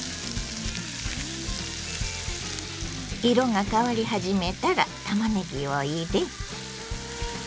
色が変わり始めたらたまねぎを入れ。